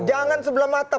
jangan sebelah mata